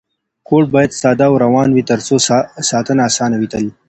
کوډ باید ساده او روان وي ترڅو ساتنه اسانه وي تل.